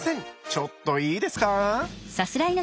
ちょっといいですか？